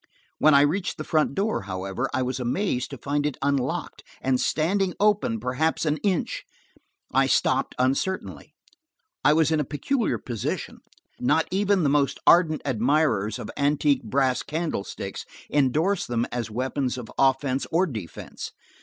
When I reached the front door, however, I was amazed to find it unlocked, and standing open perhaps an inch. I stopped uncertainly. I was in a peculiar position; not even the most ardent admirers of antique brass candlesticks endorse them as weapons of offense or defense.